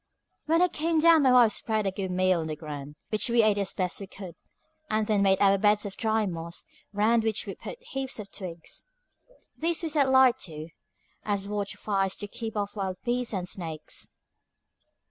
When I came down my wife spread a good meal on the ground, which we ate as best we could, and then made our beds of dry moss, round which we put heaps of twigs. These we set light to, as watch fires to keep off wild beasts and snakes.